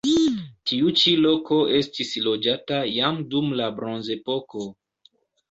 Tiu ĉi loko estis loĝata jam dum la bronzepoko.